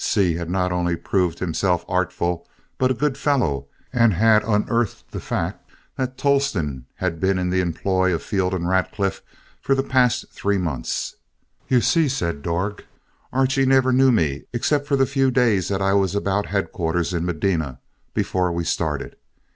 Seay had not only proved himself artful, but a good fellow, and had unearthed the fact that Tolleston had been in the employ of Field and Radcliff for the past three months. "You see," said Dorg, "Archie never knew me except the few days that I was about headquarters in Medina before we started.